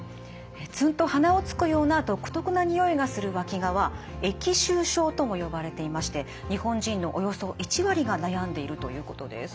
ツンと鼻をつくような独特なにおいがするわきがは腋臭症とも呼ばれていまして日本人のおよそ１割が悩んでいるということです。